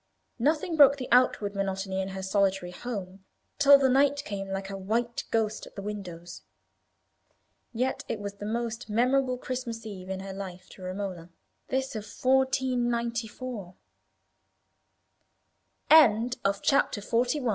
Nothing broke the outward monotony of her solitary home, till the night came like a white ghost at the windows. Yet it was the most memorable Christmas eve in her life to Romola, this of 1494. CHAPTER XLII. Romola in her Place. It was the t